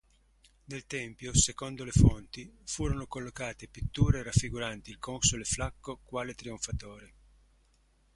Nel tempio, secondo le fonti, furono collocate pitture raffiguranti il console Flacco quale trionfatore.